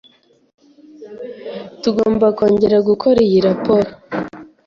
Tugomba kongera gukora iyi raporo.